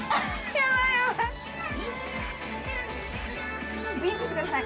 ヤバいウインクしてください